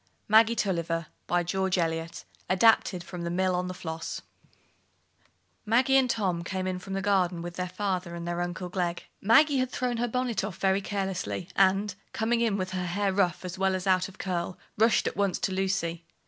Honour the Light Brigade, Noble six hundred! TENNYSON MAGGIE TULLIVER Maggie and Tom came in from the garden with their father and their Uncle Glegg. Maggie had thrown her bonnet off very carelessly, and, coming in with her hair rough as well as out of curl, rushed at once to Lucy.